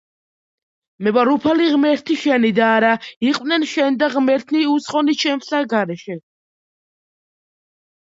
მე ვარ უფალი ღმერთი შენი, და არა იყვნენ შენდა ღმერთნი უცხონი ჩემსა გარეშე.